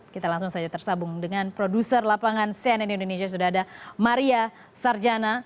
kita langsung saja tersabung dengan produser lapangan cnn indonesia sudah ada maria sarjana